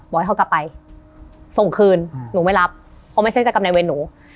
ให้เขากลับไปส่งคืนหนูไม่รับเพราะไม่ใช่เจ้ากรรมนายเวรหนู